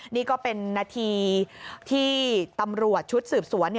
นี่ก็เป็นนาทีที่ตำรวจชุดสืบสวน